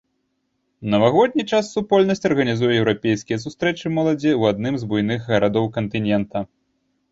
У навагодні час супольнасць арганізуе еўрапейскія сустрэчы моладзі ў адным з буйных гарадоў кантынента.